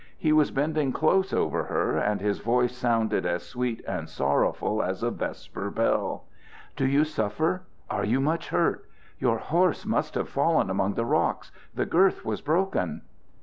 He was bending close over her, and his voice sounded as sweet and sorrowful as a vesper bell: "Do you suffer? Are you much hurt? Your horse must have fallen among the rocks. The girth was broken."